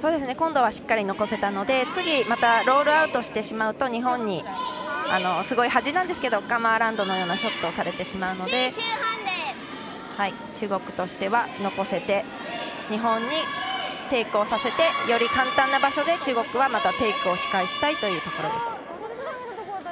今度はしっかり残せたので次、ロールアウトしてしまうと日本に、すごい端なんですがカムアラウンドのようなショットをされてしまうので中国としては残せて日本にテイクをさせてより簡単な場所で中国はまたテイクをし返したいところです。